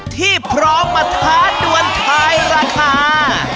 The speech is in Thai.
ที่พร้อมมาท้าดวนทายราคา